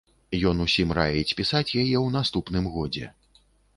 Ён усім раіць пісаць яе ў наступным годзе.